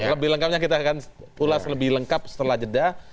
lebih lengkapnya kita akan ulas lebih lengkap setelah jeda